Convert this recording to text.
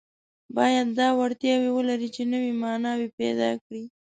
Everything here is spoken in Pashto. باید دا وړتیا ولري چې نوي معناوې پیدا کړي.